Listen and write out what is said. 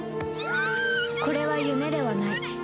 これは夢ではない